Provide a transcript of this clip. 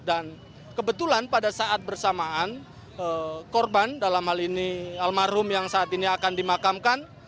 dan kebetulan pada saat bersamaan korban dalam hal ini almarhum yang saat ini akan dimakamkan